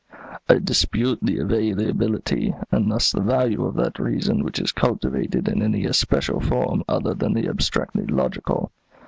"I dispute the availability, and thus the value of that reason which is cultivated in any especial form other than the abstractly logical.